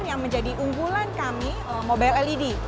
yang menjadi unggulan kami mobile led